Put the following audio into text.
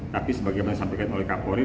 tapi sebagaimana disampaikan oleh kapolri